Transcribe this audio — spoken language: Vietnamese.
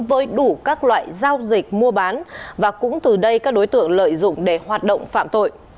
với đủ các loại giao dịch mua bán và cũng từ đây các đối tượng lợi dụng để hoạt động phạm tội